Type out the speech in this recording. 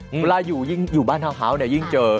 เวลาอยู่บ้านเท้าผินค่าก็ยิ่งเจอ